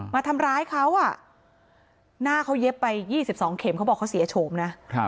มาทำร้ายเขาหน้าเขาเย็บไป๒๒เข็มเขาบอกเขาเสียโฉมนะ